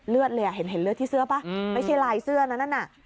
เลือดเลยอ่ะเห็นเลือดที่เสื้อป่ะไม่ใช่ลายเสื้อนั้นน่ะ